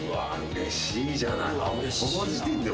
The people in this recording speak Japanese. うれしいじゃない。